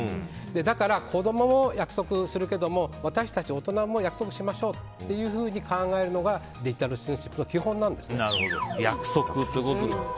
だから、子供も約束するけども私たち大人も約束しましょうっていうふうに考えるのがデジタル・シティズンシップの約束ということで。